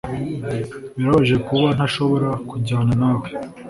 Birababaje kuba ntashobora kujyana nawe